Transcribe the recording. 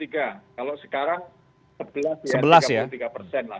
kalau sekarang sebelas ya tiga puluh tiga persen lah